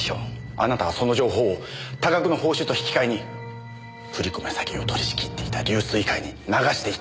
あなたはその情報を多額の報酬と引き替えに振り込め詐欺を取り仕切っていた龍翠会に流していた。